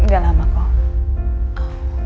gak lama kok